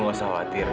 ibu gak usah khawatir